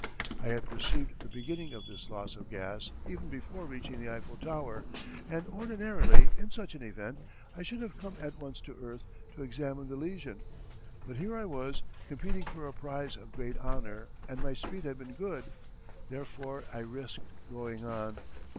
I had perceived the beginning of this loss of gas even before reaching the Eiffel Tower, and ordinarily, in such an event, I should have come at once to earth to examine the lesion. But here I was competing for a prize of great honour and my speed had been good. Therefore I risked going on.